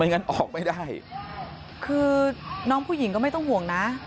งั้นออกไม่ได้คือน้องผู้หญิงก็ไม่ต้องห่วงนะ